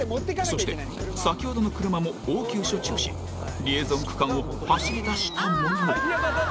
そして、先ほどの車も応急処置をしリエゾン区間を走り出したものの。